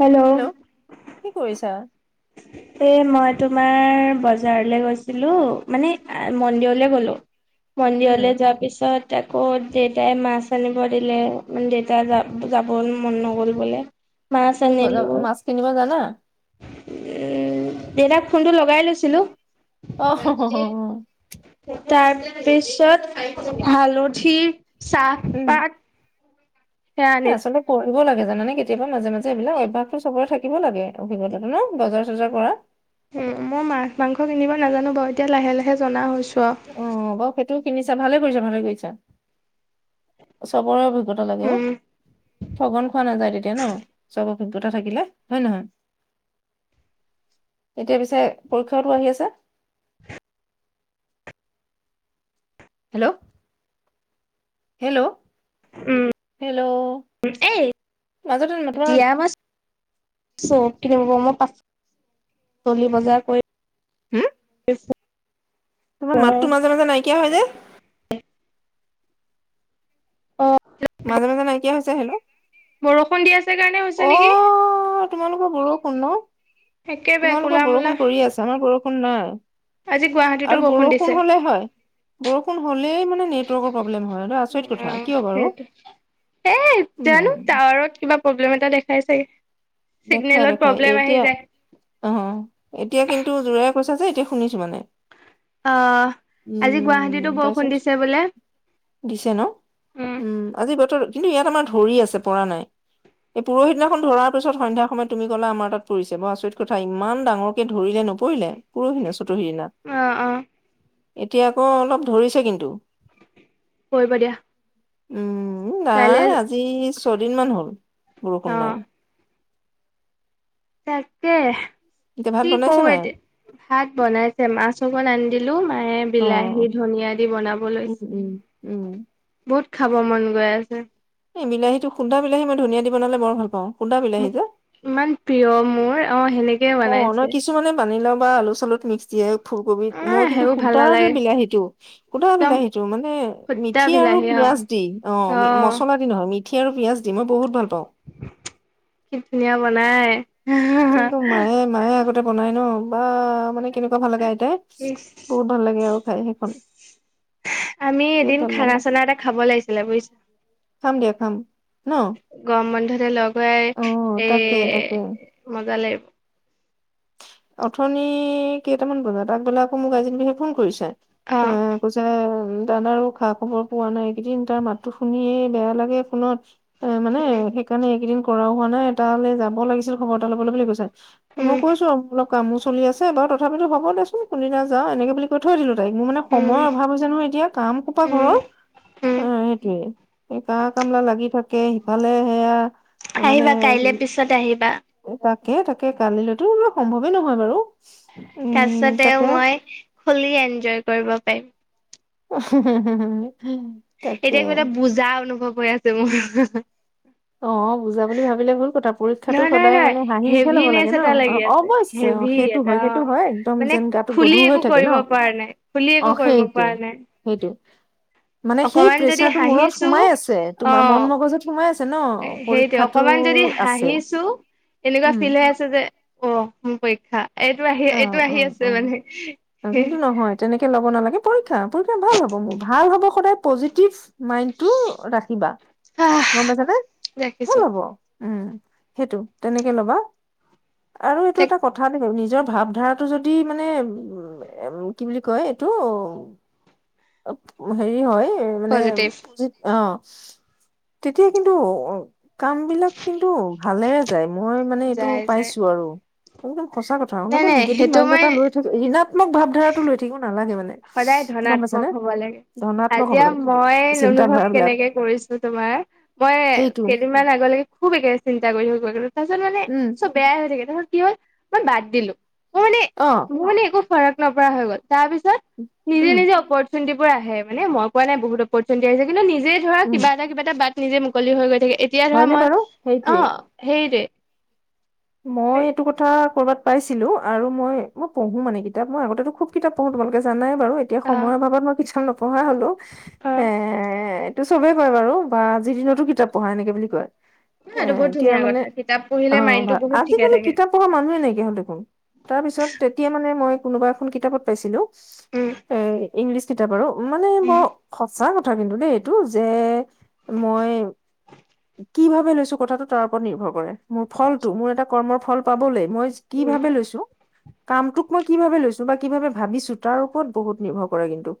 Hello hello কি কৰিছা? এ মই তোমাৰ বজাৰলৈ গৈছিলোঁ মানে মন্দিৰলে গ'লোঁ। উম, মন্দিৰলে যোৱা পিছত- তাকৌ দেউতাই মাছ আনিব দিলে মানে দেউতা য যাব মন নগ'ল বোলে। মাছ তুমি আনিলো বজাপা মাছ কিনিব জানা? এ এ দেউতাক ফোনটো লগাই লৈছিলো। অ হ হ। তাৰপিছত হালধি উম, চাহপাত- সেয়াত। মানে কৰিব লাগে জানানে কেতিয়াবা মাজে মাজে এইবিলাক অভ্যাসটো চবৰে থাকিব লাগে। অভিগতাটো ন' বজাৰ চজাৰ কৰা। হুম, মই মাছ মাংস কিনিব নাজানো বাৰু এতিয়া লাহে লাহে জনা হৈছো আৰু। অঁ বাও সেইটোও কিনিছা ভালে কৰিছা ভালে কৰিছা। চবৰে- অভিগতা লাগে অ' উম ঠগন খোৱা নাযায় তেতিয়া ন' চব অভিজ্ঞতা থাকিলে হয় নহয়। এতিয়া পিছে পৰীক্ষাটো আহি আছে। হেল্লৌ' হেল্লৌ' উম, মাজতে তোমাৰ দিয়া বাছ। চব কিন মই পাচলি বজাৰ কৰি- হুম? তোমাৰ ফুৰোঁ। মাততো মাজে মাজে নাইকিয়া হয় যে। [unintelligible] [unintelligible] মাজে মাজে নাইকিয়া হৈছে হেনো। বৰষুণ দি আছে কাৰণে হৈছে নেকি। অ', তোমালোকৰ বৰষুণ ন' একেবাৰে কোলা তোমালোকৰ মোলা বৰষুণ পৰি আছে আমাৰ বৰষুণ নাই। আজি গুৱাহাটীতো আৰু দিছে। বৰষুণ হলে হয়। বৰষুণ হ'লেই মানে নেটৱৰ্কৰ প্ৰব্লেম হয় ন, আচৰিত কথা কিয় বাৰু? এই জানো উম, টাৱাৰত কিবা প্ৰব্লেম এটা দেখাই চাগে। চিগ্নেলত প্ৰব্লেম আহি যায়। অঁ অঁ এতিয়া কিন্তু যোৰেৰে কৈছা যে এতিয়া শুনিছো মানে। অঁ' আজি গুৱাহাটীতো উম, তাৰপিছত বৰষুণ দিছে বোলে। দিছে ন' উম, অ আজি বতৰত- কিন্তু ইয়াত আমাৰ ধৰি আছে পৰা নাই এই পুৰহি দিনাখন ধৰা- তাৰ পিছত সন্ধা সময় তুমি কলা আমাৰ তাত পৰিছে, বৰ আচৰিত কথা ইমান ডাৰ কে ধৰিলে নপৰিলে। পুৰহিনা চতুৰ্শী দিনা অ এতিয়া আকৌ অলপ ধৰিছে কিন্তু। কৰিব দিয়া। উম, কাইলে নাই আজি ছয়দিন মান হ'ল বৰষুণ অ নাই। তাকে, এতিয়া ভাত কি বনাইছে কৰো মায়ে? এতিয়া। ভাত বনাইছে মাছঅকন আনি দিলো, মায়ে- অ বিলাহী ধনিয়া দি বনাব লৈ উম, উম, উম। বহুত খাব মন গৈ আছে। এই বিলাহীটো সুন্দা বিলাহী মই ধনীয়া দি বনালে বৰ ভাল পাওঁ সুন্দা মোক বিলাহীটোৱে। ইমান প্ৰিয় মোৰ, অ' সেনে অ' নহয় কিছুমানে বানি লাও বা আলু চালুত মিক্স দিয়ে। ফুলকবিত। মই আহ কিন্তু সেইবোৰ ভাল সুদা যে নালাগে বিলাহী দিওঁ। সুদা একদম বিলাহীটো মানে সুদা মিঠি আৰু বিলাহী অ পিয়াজ দি অ' মচলা নহয়, মিঠি আৰু পিয়াজ দি, মই বহুত ভাল পাওঁ। কি ধুনীয়া বনাই। এইটো মায়ে মায়ে আগতে বনাই ন' বা মানে কেনেকুৱা ভাল লাগে আইতাই [unintelligible] বহুত ভাল লাগে আৰু খাই সেইখন। আমি বিৰাট এদিন ভাল লাগে। খানা চানা এটা খাব লাগিছিলে বুজিছা? খাম দিয়া খাম ন'? গম বন্ধতে লগ হয় অ এ, তাকে তাকে মজা লাগিব। অথনি কেইটামান বজাত? আগবেলা আকৌ মোক আজি বুলিহে ফোন কৰিছে। অ উম, কৈছে তাত আৰু খা খবৰ পোৱা নাই এই কেইদিন, তাৰ মাতটো শুনিয়েই বেয়া লাগে ফোনত এ, মানে সেইকাৰণে এইকেইদিন কৰাও হোৱা নাই, তালে যাব লাগিছিল খবৰ এটা ল'বলৈ বুলি কৈছে, মই উম কৈছোঁ কামো চলি আছে, বাৰু তথাপিতো হ'ব দেচোন কোনদিনা যাওঁ এনেকে বুলি কৈ থৈ দিলোঁ তাইক। মোৰ মানে উম উম সময়ৰ অভাৱ হৈছে নহয় এতিয়া, কাম সোপা উম ঘৰৰ। উম অ' সেইটোয়ে। এই কা কামলা লাগি থাক কে সিফালে সেয়া তাৰ মানে আহিবা কাইলে পিছত আহিবা তাকে তাকে, কালিলৈতো সম্ভৱেই নহয় বাৰু। তাৰ উম পিছতে তাকে মই ফুল্লি এনজয় কৰিব পাৰিম। [unintelligible] এতিয়া কিবা এটা বুজা অনুভৱ হৈ আছে মোৰ। অ' বুজা বুলি ভাবিলে ভুল কথা, পৰীক্ষাটো নহয় নহয় সদায় নহয় মানে হাঁহি মুখে ল'ব হেভিনেচ লাগে ন'। এটা লাগি অ' গৈ [unintelligible] আছে অ' হেভি সেইটো এটা হয় সেইটো হয়, একদম মানে যেন গাটো খুলি গধুৰ হৈ একো থাকে কৰিব ন'? পৰা নাই খুলি একো অ' কৰিব সেইটো। পৰা নাই সেইটো, মানে সেই অকমান যদি প্ৰেচাৰটো মূৰত হাঁহিছো সোমাই আছে অ তোমাৰ মন মগজুত সোমাই আছে। ছে ন' সেইটোৱে পৰীক্ষাটো অকমান যদি আছে, হাঁহিছো এনেকুৱা উম। ফিল হৈ যে অ' মোৰ পৰীক্ষা, এইটো আহি, অ এইটো অ আহি অ আছে মানে অ, কিন্তু নহয় তেনেকে ল'ব নালাগে। পৰীক্ষা, পৰীক্ষা ভাল হ'ব মোৰ ভাল হ'ব, সদায় পজিটিভ মাইণ্ডটো ৰাখিবা, আহ গ'ম পাইছানে? ভাল ৰাখিছো হ'ব। উম, সেইটো তেনেকে ল'বা। আৰু এইটো টেক এটা কথা দে ভাৱধাৰাটো যদি মানে উ, কি বুলি কয় এইটো হেৰি হয় মানে পজিটিভ যি অ' তেতিয়া কিন্তু কামবিলাক কিন্তু ভালে যায়, মই মানে এইটো যাই যাই পাইছোঁ আৰু, একদম সচা কথা নাই [unintelligible] নাই নিগেটিভ সেইটো মাইন্ড এটা মই লৈ ঋণাত্মক ভাৱধাৰাটো লৈ থাকিব নালাগে মানে। সদায় গম ধনাত্মক পাইছানে হ'ব লাগে। ধনাত্মক হ'ব আজিয়া লাগে মই চিন্ত অনুভৱ ধাৰাবিলাক কেনেকে কৰিছোঁ তোমাৰ মই সেইটো কেইদিনমান আগলৈকে খুব একেৰাহে চিন্তা কৰি থাকোঁ, তাৰপিছত মানে উম চব বেয়াই হৈ থাকে তাৰপিছত কি হ'ল মই বাদ দিলোঁ। মই মানে অ'। মোৰ মানে একো ফৰক নপৰা হৈ গ'ল, তাৰপিছত নিজে উম নিজে অপৰত [unintelligible] আহে, মানে মই কোৱা নাই বহুত অপৰচুনিটি আহিছে কিন্তু নিজে ধৰা উম কিবা এটা কিবা এটা বাত নিজে মুকলি হৈ গৈ থাকে এতিয়া ধৰা হয়নে মই, বাৰু সেইটোৱে অ' সেইটোৱে। মই এটো কথ। কথা ক'বাত পাইছিলো আৰু মই মই পঢ়ো মানে কিতাপ মই আগতেটো খুব কিতাপ পঢ়ো তোমালোকে জানাই। বাৰু এতিয়া অ সময়ৰ অভাৱত মই কিছুমান নপঢ়া হ'লো অ এ। এইটো চবেই কয় বাৰু বা আজিৰ দিনতো কিতাপ পঢ়া এনেকে বুলি কয়। এ এইটো বহুত এতিয়া ধুনীয়া মানে কথা কিতাপ অ পঢ়িলে মাইণ্ডটো ভা। বহুত ঠিকে আজিকালি থাকে কিতাপ পঢ়া মানুহে নাইকিয়া হল দেখোন তাৰ পিছত তেতিয়া মানে মই কোনোবা এখন কিতাপত পাইছিলো। উম এ ইংলিছ কিতাপ আৰু মানে ম। উম সঁচা কথা কিন্তু দেই এইটো যে মই। কি ভাবে লৈছো কথাটো তৰ ওপৰত নিৰ্ভৰ কৰে মোৰ ফলটো মোৰ এটা। কৰ্মৰ ফল পাবলৈ মইজ কি উম ভাৱে লৈছো। কামটোক মই কি ভাবে লৈছো বা কি ভাবে ভাবিছো তাৰ ওপৰত বহুত নিৰ্ভৰ কৰে কিন্তু।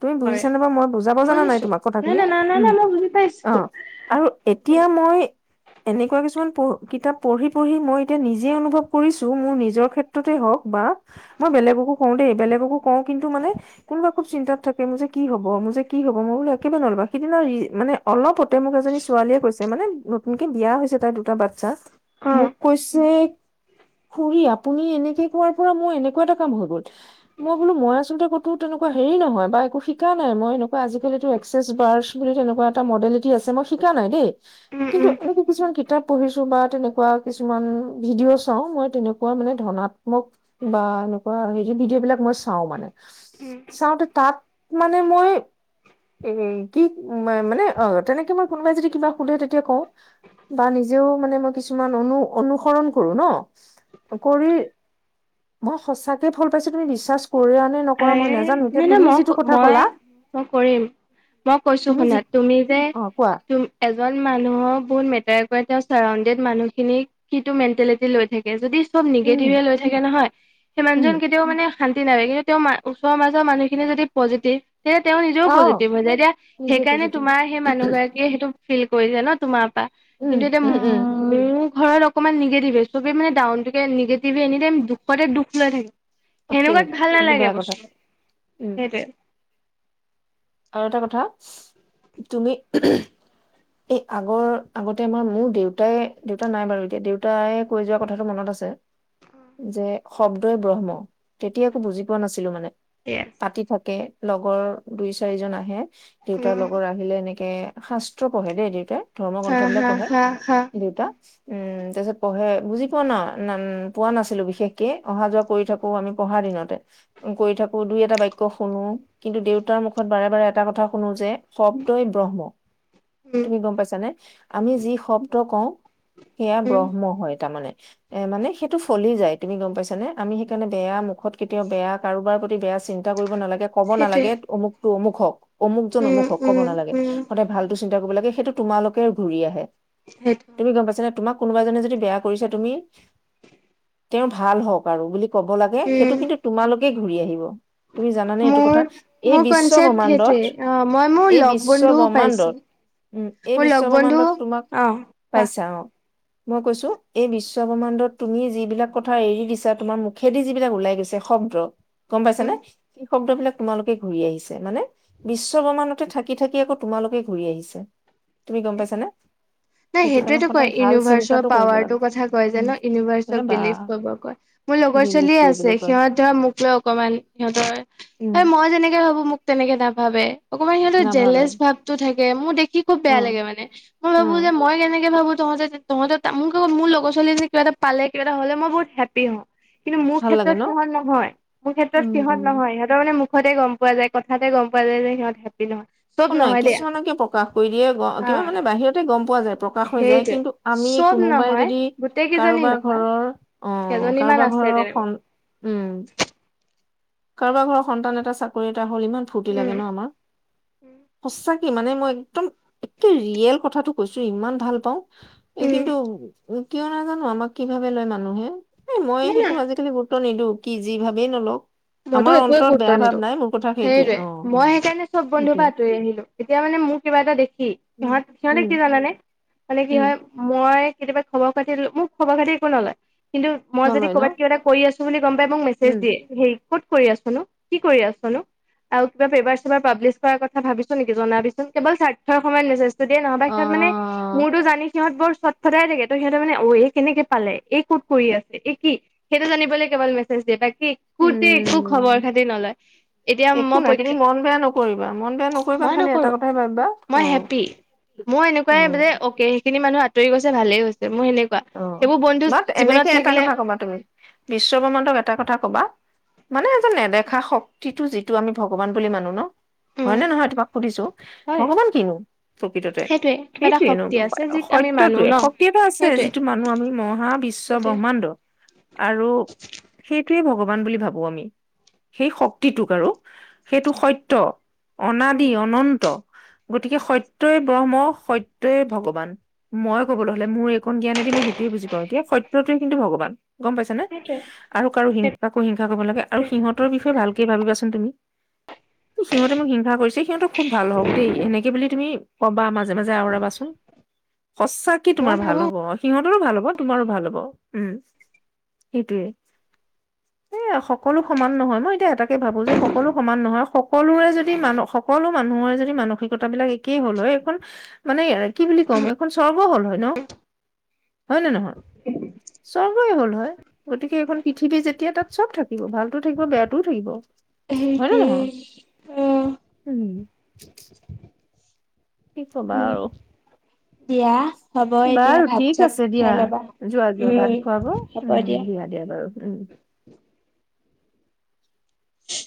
তুমি হয় বুজিছা নে বাৰু মই বুজাব জানা নাই বুজিছো তোমাৰ নাই কথাখিনি নাই নাই নাই উম। নাই মই বুজি অ পাইছো আৰু এতিয়া মই এনেকুৱা কিছুমান পঢ় কিতাপ পঢ়ি পঢ়ি। মই এতিয়া নিজে অনুভৱ কৰিছো মোৰ নিজৰ ক্ষেত্ৰতে হওক বা। মই বেলেগকো কওঁ দেই বেলেগকো কওঁ কিন্তু মানে। কোনোবা খুব চিন্তাত থাকে মোৰ যে কি হব মোৰ যে কি হব মই বোলো একেবাৰে নলবা সিদিনা মানে। অলপতে মোক এজনী ছোৱালীয়ে কৈছে মানে নতুনকে বিয়া হৈছে তাইৰ দুটা বাচ্ছা। অ মোক কৈছে খুৰী আপুনি এনেকে কোৱাৰ পৰা মোৰ এনেকুৱা এটা কাম হৈ গল। মই বোলো মই আচলতে ক'তো তেনেকুৱা হেৰি নহয় বা একো শিকা নাই মই এনেকুৱা আজিকালিতো এক্সেছ বাৰছ। বুলি তেনেকুৱা এটা মডেলিটি আছে মই শিকা নাই দেই। উম কিন্তু উম এনেকুৱা কিছুমান কিতাপ পঢ়িছো বা তেনেকুৱা। কিছুমান ভিডিঅ' চাও মই তেনেকুৱা মানে ধনাত্মক। বা এনেকুৱা হেৰি ভিডিঅ' বিলাক মই চাও মানে। উম চাওঁতে তাত মানে মই। এ হে কি ম মানে অ তেনেকে মই কোনোবাই যদি কিবা সোধে তেতিয়া কওঁ। বা নিজেও মানে মই কিছুমান অনু অনুসৰণ কৰো ন অ কৰি। মই সঁচাকে ফল পাইছো তুমি বিশ্বাস। কৰা নে নকৰা মই আৰে নোজানো এতিয়া নাই নাই তুমি মই যিটো কথা মই ক'লা। মই কৰিম মই কৈছো তুমি শুনা যি তুমি যে। অ কোৱা ম এজন মানুহক বহুত মেটাৰ কৰে তেওঁৰ চাৰাউণ্ডেড মানুহ খিনিক কিটো মেণ্টেলিটি লৈ থা। কে যদি চব উম নিগেটিভে লৈ থাকে নহয় সেই উম মানুহজন কেতিয়াও মানে শান্তি [inaudible] তেওঁ মা ওচৰৰ মাজৰ মুহখিনিয়ে যদি পজিটিভ। তেতিয়া তেওঁ নিজেও আহ পজিটিভ হৈ যায় তেতিয়া নিজে সেইকাৰণে পজিটিভ তোমাৰ সেই মানুহ গৰাকীয়ে সেইটো ফিল কৰিছে ন তোমাৰ। পা উম কিন্তু এতিয়া উম উম ম। মোৰ ঘৰত অকমান নিগেটিভে সবে মানে ডাউনে নিগেটিভে এনি টাইম দুখতে দুখ লৈ থা। সেনেকুৱাত ভাল সেইটো নালাগে বেয়া কথা বস্তু উম সেইটোৱে। আৰু এটা কথা তুমি। [inaudible] এই আগৰ আগতে আমাৰ মোৰ দেউতাই দেউতা নাই বাৰু এতিয়া দেউতাই কৈ যোৱা কথাটো মনত আছ। চে যে শব্দই ব্ৰহ্ম তেতিয়া একো বুজি পোৱা নাছিলো মানে। এয়ে। পাতি থাকে লগৰ দুই চাৰিজন আহে দেউতাৰ উম লগৰ আ। বিলে এনেকে শাস্ত্ৰ পঢ়ে দেই দেউতাই ধৰ্ম হা গ্ৰন্থ বিলাক হা পঢ়ে হা হা দেউতা। উম তাৰ পিছত পঢ়ে বুজি পোৱা না নান পোৱা নাছিলো বিশেষকে অহা যোৱা কৰি থা। অ আমি পঢ়া দিনতে কৰি থাকো দুই এটা বাক্য শুনো কিন্তু দেউতাৰ মো খত বাৰে বাৰে এটা কথা শুনো যে শব্দই ব্ৰহ্ম। উম। কি গম পাইছানে? আমি যি শব্দ কওঁ সেয়া উম ব্ৰহ্ম হয় তাৰমানে- এ মানে সেইটো ফলি যায় তুমি গম পাইছা নে। আমি সেইকাৰণে বেয়া মুখত কেতিয়াও বেয়া কাৰোবাৰ প্ৰতি বেয়া- চিন্তা কৰিব নালাগে, ক'ব সেইটোৱে নালাগে অমুকতটো অমুক হওঁক, অমুকজন উম অমুক হওঁক কব উম নালাগে। উম সদায় ভালটো - চিন্তা কৰিব লাগে সেইটো তোমালোকে ঘূৰি আহে। সেইটো- তুমি গম পাইছা নে, তোমাক কোনোবা জনে যদি বেয়া কৰিছে তুমি তেওঁ ভাল হওঁক আৰু বুলি- কব লাগে। সেইটো উম কিন্তু তোমালোকে ঘূৰি আহিব, তুমি জানানে এইটো মোৰ কথা? এই মোৰ বিশ্ব- বিশ্ব কনচেপ্ট ব্ৰহ্মাণ্ডত সেইটোৱে অ মই মোৰ এই লগ বিশ্ব বন্ধুও পাইছো ব্ৰহ্মাণ্ডত- উম, এই মোৰ বিশ্ব লগ বন্ধু ব্ৰহ্মাণ্ডত তোমাক অ কোৱা পাইছা অ'। মই কৈছো এই বিশ্ব ব্ৰহ্মাণ্ডত তুমি যিবিলাক কথা এৰি দিছা তোমাৰ মু- খেদি যিবিলাক ওলাই গৈছে শব্দ- গম পাইছ উম নে, সেই শব্দবিলাক তোমালোকে ঘূৰি আহিছে মানে বিশ্ব ব্ৰহ্মাণ্ড- ত থাকি থাকি আকৌ তোমালোকে ঘূৰি আহিছে, তুমি গম পাইছানে? নাই সেইটো কাৰণে সেইটোয়েতো কয় সদায় ভাল ইউনিভাৰ্চৰ চিন্তাটো কৰিব লাগে পাৱাৰটোৰ কথা কয় যে উম ন' এ ইউনিভাৰ্চক বা বিলিভ কৰিব কয়। মোৰ লগৰ বিলিভ ছোৱালীয়ে কৰিবলৈ আছে কয় সিহঁত ধৰ মোক লৈ অকমান সিহঁতৰ, উম এই মই যেনেকে ভাবো মোক- তেনেকে নাভাবে, অকমান সিহঁতৰ নাভাবে জলেছ ভাৱটো থাকে। মোক দেখি- খুব বেয়া উম লাগে মানে। মই ভাবো উম যে মই কেনেকে ভাবো তহঁতে- তহঁতে তমোলমোৰ মোৰ লগ ছোৱালী যে কিবাটা পালে, কিবাটা হ'লে মই বহুত হেপি হওঁ। কিন্তু মোৰ ভাল লাগে ক্ষেত্ৰত ন সিহঁত নহয়, মোৰ ক্ষেত্ৰত উম সিহঁত উম নহয়। সিহঁত- তাৰ মানে মুখতে গম পোৱা যায়, কথাতে গম পোৱা যায় যে সিহঁত হেপি নহয়। চব অ‍ঁ নাই নহয় দেই কিছুমানকে প্ৰকাশ কৰি দিয়ে, গ কিবা অ'। মানে বাহিৰতে গম পোৱা যায়। প্ৰকাশ হৈ যায়। সেইটোৱে কিন্তু আমি চব কোনোবাই নহয় যদি গোটেই কেইজনী কাৰোবাৰ নহয় ঘৰৰ- অঁ, কেইজনীমান কাৰোবাৰ আছে ঘৰৰ তেনেকুৱা উম- কাৰোবাৰ ঘৰৰ সন্তান এটা চাকৰি এটা হ'ল ইমান ফূৰ্তি লাগে উম ন আমাৰ। সঁচাকে মানে মই একদম একে ৰিয়েল কথাটো কৈছো ইমান ভাল পাওঁ। এই উম কিন্তু কিয় নাজানো আমাক কি ভাবি লয় মানুহে। এ মই নাই না সেইটো আজিকালি গুৰুত্ব নিদো কি যি ভাবেই নলওঁক। মইতো একোৱে গুৰুত্ব নিদিওঁ সেইটোৱে, মই সেইকাৰণে চব বন্ধুৰ সেইটোৱে পৰা আঁতৰি আহিলো। এতিয়া মানে মোৰ কিবা এটা দেখি উম সিহঁত সিহঁতে উম কি জানানে মানে কি উম হয়- মই কেতিয়াবা খবৰ খাতি, মোক খবৰ খাতি একো নলয় কিন্তু মই যদি নলয় ন ক'বাত কিবা এটা কৰি আছো- বুলি গম পাই মোক মেছেজ উম দিয়ে হেই ক'ত কৰি আছনো, কি কৰি আছনো? আৰু কিবা পেপাৰ চেপাৰ পাব্লিছ কৰাৰ কথা ভাবিছো নেকি জনাবিচোন কেৱল স্বাৰ্থৰ সময়ত- যতেই নহ'বা অ সিহঁত মানে মোৰতো জানি সিহঁত বৰ- সদায় থাকে। ত' সিহঁতে মানে অ' এই কেনেকে পালে, এই ক'ত কৰি আছে, এই কি? সেইটো জানিবলৈ কেৱল মেছেজ দিয়ে, বাকী- খোতে একো খবৰ উম খাতি নলয়। এতিয়া একো মই নাই তুমি মন বেয়া নকৰিবা মন বেয়া পৰীক্ষা- নকৰিবা মই খালি এটা নকৰো, কথাই ভাবিবা অ মই হেপী। মোৰ অ এনেকুৱাই যে অ'কে সেইখিনি মানুহ- আঁতৰি গৈছে ভালেই গৈছে মোৰ সেনেকুৱা। অ', সেইবোৰ বন্ধু বাট এনেকে জীৱনত এটা থাকিলে- কথা কবা তুমি- বিশ্ব ব্ৰহ্মাণ্ডক এটা কথা কবা- মানে এজন নেদেখা শক্তিটো যিটো আমি ভগৱান বুলি মানো ন'- উম হয়নে নহয় তোমাক সুধিছো, হয় ভগৱান কিনো প্ৰকৃততে? সেইটোৱে কিবা এটা সেইটোয়ে নো শক্তি আছে যি আমি মানো সত্যটোৱে ন শক্তি এটা আছে সেইটোৱে যিটো মানুহ আমি মহা বিশ্ব সেইটোৱে ব্ৰহ্মাণ্ড- আৰু সেইটোৱে ভগৱান বুলি ভাবো আমি। সেই শক্তিটোক আৰু সেইটো সত্য অনাদি অনন্ত। গতিকে সত্যই ব্ৰহ্ম সত্যই ভগৱান মই ক'বলৈ হ'লে মোৰ এইকণ জ্ঞান এ। দি মই সেইটোৱে বুজি পাওঁ এতিয়া সত্য টোৱে কিন্তু ভগৱান গম পাইছা নে? সেইটোৱে আৰু কাৰো হিংসা কৰিব নালাগে আৰু সিহঁতৰ বিষয়ে ভালকে ভাবিবাচোন তুমি। সিহঁতে মোক হিংসা কৰিছে সিহঁতক। খুব ভাল হওঁক দেই এনেকে বুলি তুমি ক'বা মাজে মাজে আওৰাবাচোন। সঁচাকে মই তোমাৰ ভাল ভাবো হ'ব। সিহঁতৰো ভাল হ'ব তোমাৰো ভাল হ'ব উম, সেইটোৱে। এ সকলো সমান নহয় মই এতিয়া এটাকে ভাবো যে সকলো সমান নহয় সক। সকলোৰে যদি মান সকলো মানুহৰে যদি মানসিকতা বিলাক একেই হ'ল হয় এইখন। মানে কি বুলি ক'ম এখন সৰ্ব হ'ল হয় ন। হয় নে নহয় স্বৰ্গই হ'ল হয় গতিকে এইখন পৃথিৱী যেতিয়া তাত সব থাকিব ভাল। ভালটো থাকিব বেয়াতটোও থাকিব হয় নে সেইটোৱে নহয় অ', উম। কি কবা উম আৰু। দিয়া হ'ব এতিয়া বাৰু ভাত ঠিক চাত আছে খাই দিয়া ল'বা যোৱা যোৱা উম ভাত খুৱা গৈ দিয়া। দে বাৰু উম। উম।